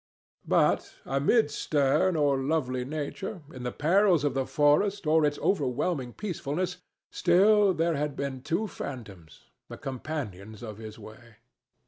But amid stern or lovely nature, in the perils of the forest or its overwhelming peacefulness, still there had been two phantoms, the companions of his way.